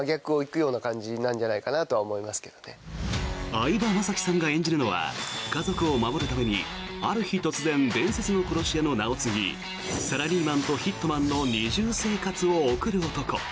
相葉雅紀さんが演じるのは家族を守るためにある日突然伝説の殺し屋の名を継ぎサラリーマンとヒットマンの二重生活を送る男。